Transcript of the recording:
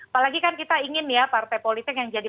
apalagi kan kita ingin ya partai politik yang jadi